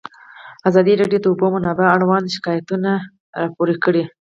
ازادي راډیو د د اوبو منابع اړوند شکایتونه راپور کړي.